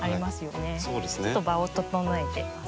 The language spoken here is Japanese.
ちょっと場を整えてます。